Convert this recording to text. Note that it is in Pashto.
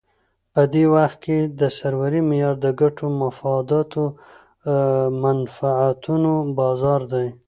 په دې وخت کې د سرورۍ معیار د ګټو، مفاداتو او منفعتونو بازار دی.